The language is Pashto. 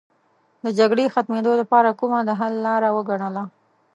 د جګړې ختمېدو لپاره کومه د حل لاره وګڼله.